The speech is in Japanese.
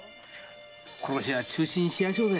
殺しは中止にしやしょうぜ。